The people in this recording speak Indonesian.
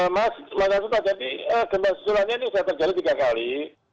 mas makasih pak jadi gempa susulannya ini sudah terjadi tiga kali